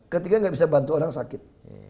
ketika gak bisa bantu orang sakit